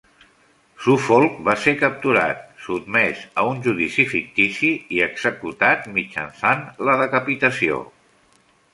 Suffolk va ser capturat, sotmès a un judici fictici i executat mitjançant la decapitació.